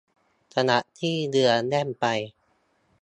ขณะที่เรื่อแล่นไป